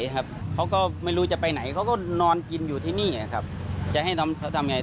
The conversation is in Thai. เธอเป็นแบบสภาพเหมือนแบบนั้นไหม